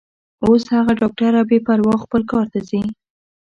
اوس هغه ډاکټره بې پروا خپل کار ته ځي.